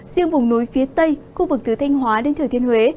riêng vùng núi phía tây khu vực từ thanh hóa đến thừa thiên huế